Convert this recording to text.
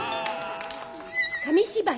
紙芝居。